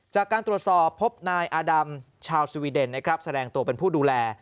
จากการตรวจสอบพบนายอาดำชาวสวีเดนนะครับแสดงตัวเป็นผู้ดูแล